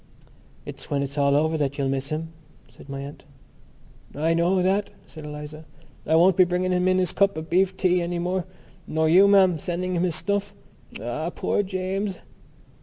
"It's when it's all over that you'll miss him," said my aunt. "I know that," said Eliza. "I won't be bringing him in his cup of beef tea any more, nor you, ma'am, sending him his snuff. Ah, poor James!"